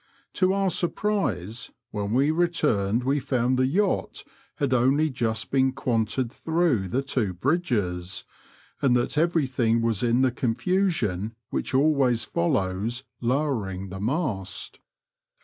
To our surprise, when we returned we found the yacht had only just been quanted through the two bridges, and that everything was in the confasion which always follows lowering the mast.